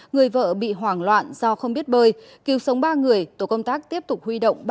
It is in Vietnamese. người vợ bị hoảng loạn do không biết bơi cứu sống ba người tổ công tác tiếp tục huy động